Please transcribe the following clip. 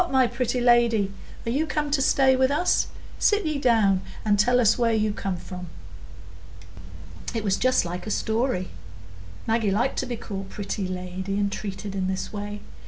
my pretty lady, are you come to stay with us? Sit ye down and tell us where you come from." It was just like a story; Maggie liked to be called pretty lady and treated in this way.